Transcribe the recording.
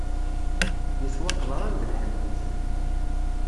Yeswa qeḍran d lḥentit.